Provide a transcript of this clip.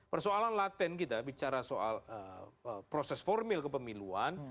persoalan laten kita bicara soal proses formil kepemiluan